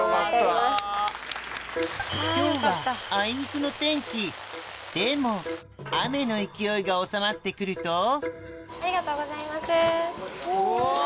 今日はあいにくの天気でも雨の勢いが収まって来るとありがとうございます。